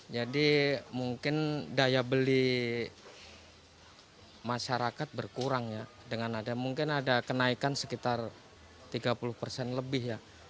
jadi mungkin daya beli masyarakat berkurang ya dengan ada mungkin ada kenaikan sekitar tiga puluh persen lebih ya